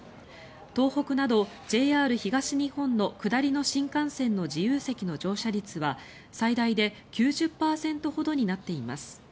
東北など、ＪＲ東日本の下りの新幹線の自由席の乗車率は最大で９０％ほどになっています。